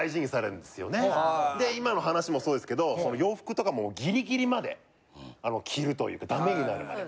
今の話もそうですけど洋服とかもギリギリまで着るというかダメになるまで。